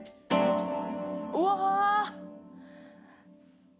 うわ。